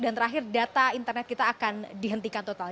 dan terakhir data internet kita akan dihentikan total